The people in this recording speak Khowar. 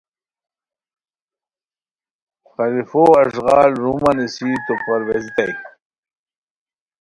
خلفو اݱغال رومہ نیسی تو پرویزیتائے